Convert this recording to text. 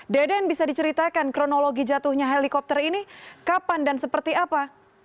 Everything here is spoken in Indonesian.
deden bisa diceritakan kronologi jatuhnya helikopter ini kapan dan seperti apa